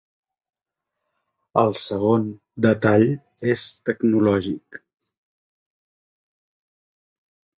El segon detall és tecnològic.